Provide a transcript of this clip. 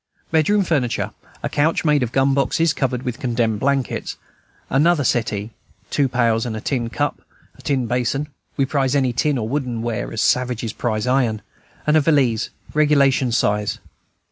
Bedroom furniture, a couch made of gun boxes covered with condemned blankets, another settee, two pails, a tin cup, tin basin (we prize any tin or wooden ware as savages prize iron), and a valise, regulation size.